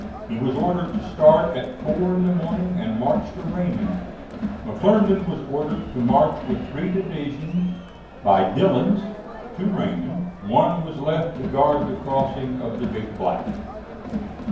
He was ordered to start at four in the morning and march to Raymond. McClernand was ordered to march with three divisions by Dillon's to Raymond. One was left to guard the crossing of the Big Black.